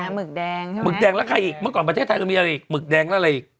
หมึกแดงใช่ไหมหมึกแดงแล้วใครอีกเมื่อก่อนประเทศไทยเรามีอะไรอีกหมึกแดงแล้วอะไรอีก